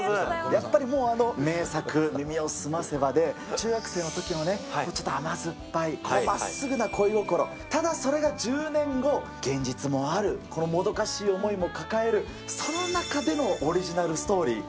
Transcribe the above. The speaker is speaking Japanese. やっぱりもう、あの名作、耳をすませばで、中学生のときのね、ちょっと甘酸っぱい、まっすぐな恋心、ただそれが１０年後、現実もある、このもどかしい思いも抱える、その中でのオリジナルストーリー。